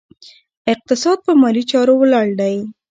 اقتصاد په مالي چارو ولاړ دی.